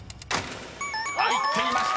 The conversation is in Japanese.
［入っていました